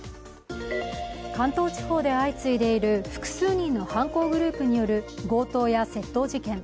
関東地方で相次いでいる複数人の犯行グループによる強盗や窃盗事件。